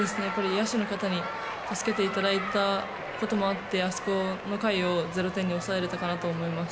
野手の方に助けていただいたこともあってあそこの回を０点に抑えられたかなと思います。